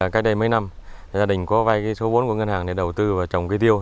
cách đây mấy năm gia đình có vay số vốn của ngân hàng để đầu tư vào trồng cây tiêu